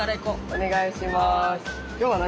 お願いします。